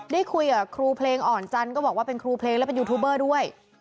ได้คุยกับครูเพลงอ่อนจันทร์ก็บอกว่าเป็นครูเพลงและเป็นยูทูบเบอร์ด้วย